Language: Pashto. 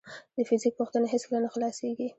د فزیک پوښتنې هیڅکله نه خلاصېږي.